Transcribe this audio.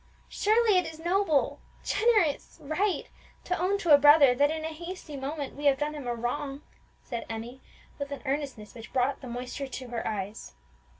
"Surely it is noble, generous, right to own to a brother that in a hasty moment we have done him a wrong!" said Emmie with an earnestness which brought the moisture into her eyes.